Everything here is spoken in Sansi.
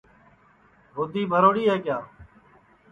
ہودی بھروڑی ہے کِیا